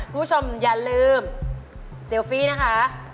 คุณผู้ชมอย่าลืมเซลฟี่นะคะ